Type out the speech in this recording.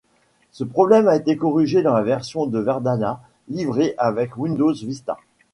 Ce problème a été corrigé dans la version de Verdana livrée avec Windows Vista.